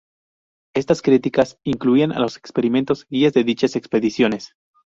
Estas críticas incluían a los experimentados guías de dichas expediciones.